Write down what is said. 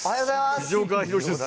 藤岡弘、です。